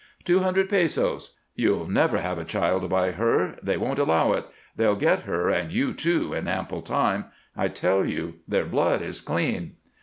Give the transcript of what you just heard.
"Two hundred pesos!" "You'll never have a child by her. They won't allow it. They'll get her and you, too, in ample time. I tell you, their blood is clean."